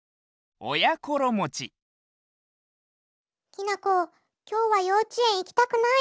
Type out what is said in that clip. きなこきょうはようちえんいきたくない。